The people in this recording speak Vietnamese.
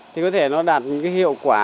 thì có thể nó đạt những cái hiệu quả